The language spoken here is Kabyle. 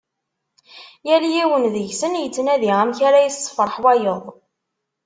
Yal yiwen deg-sen yettnadi amek ara yessefreḥ wayeḍ.